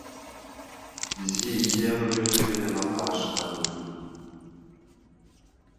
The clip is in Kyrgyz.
Бизге идеянын өзү менен аталышы маанилүү.